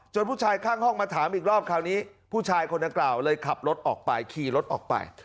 ผู้ชายข้างห้องมาถามอีกรอบคราวนี้ผู้ชายคนดังกล่าวเลยขับรถออกไปขี่รถออกไป